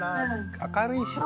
明るいしね。